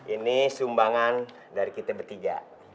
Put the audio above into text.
ini sumbangan dari kita bertiga